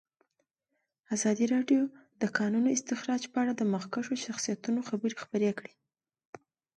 ازادي راډیو د د کانونو استخراج په اړه د مخکښو شخصیتونو خبرې خپرې کړي.